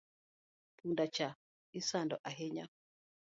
Punda cha isando ahinya